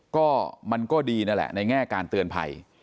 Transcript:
ก็มันก็ดีนั่นแหละในแง่การเตือนภัย